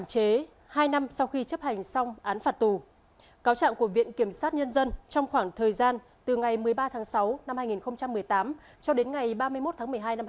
cáo trạng của viện kiểm sát nhân dân trong khoảng thời gian từ ngày một mươi ba tháng sáu năm hai nghìn một mươi tám cho đến ngày ba mươi một tháng một mươi hai năm hai nghìn một mươi chín